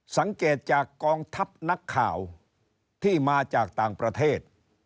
สังเกตจากกองทัพนักข่าวที่มาจากต่างประเทศ